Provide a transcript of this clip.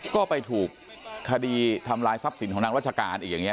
ก็ไปถูกคดีทำลายทรัพย์สินของนางราชการอีกอย่างนี้